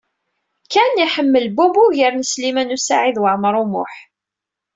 Ken iḥemmel Bob ugar n Sliman U Saɛid Waɛmaṛ U Muḥ.